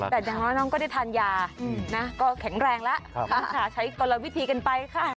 แต่ยังง็น้องก็ได้ทานยานะก็แข็งแรงละใช้กลละวิธีกันไปค่ะ